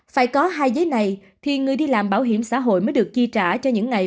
phải có hai giấy này thì người đi làm bảo hiểm xã hội mới được chi trả cho những ngày